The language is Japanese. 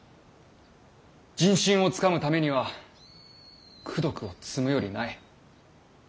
人心をつかむためには功徳を積むよりない。